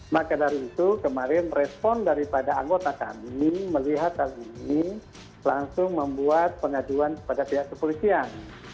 maka dari itu kemarin respon daripada anggota kami melihat hal ini langsung membuat pengaduan kepada pihak kepolisian